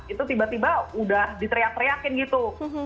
itu tiba tiba udah ditriak triakin gitu